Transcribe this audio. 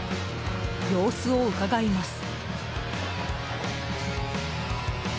様子をうかがいます。